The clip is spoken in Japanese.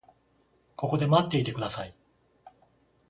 ここで待っていてください。